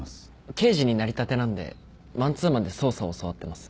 刑事になりたてなんでマンツーマンで捜査を教わってます。